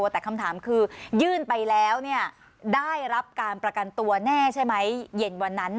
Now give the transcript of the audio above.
แต่คำถามคือยื่นไปแล้วได้รับการประกันตัวแน่ใช่ไหมเย็นวันนั้น